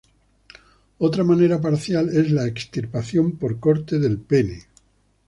Otra manera parcial es la extirpación por corte del pene.